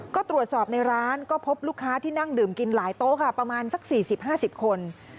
ก็ตรวจสอบในร้านก็พบลูกค้าที่นั่งดื่มกินหลายโต๊ะค่ะประมาณสัก๔๐๕๐คน